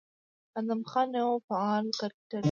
ادم خان يو فعال کرکټر دى،